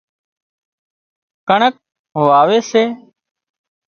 ڪڻڪ واوي سي